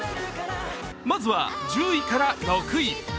まずは１０位から６位。